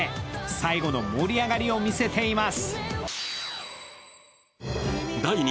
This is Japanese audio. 最後の盛り上がりを見せています。